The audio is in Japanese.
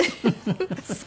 フフフフ。